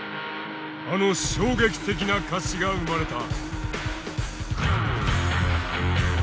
あの衝撃的な歌詞が生まれた。